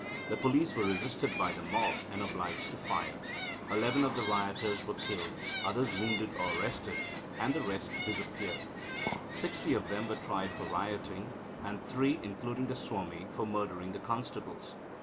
The police were resisted by the mob, and obliged to fire. Eleven of the rioters were killed, others wounded or arrested, and the rest dispersed. Sixty of them were tried for rioting, and three, including the Swami, for murdering the constables.